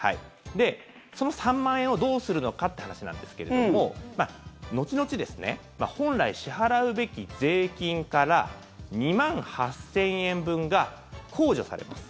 その３万円をどうするのかって話なんですけども後々、本来支払うべき税金から２万８０００円分が控除されます。